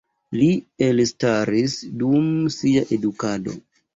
Li elstaris dum sia edukado.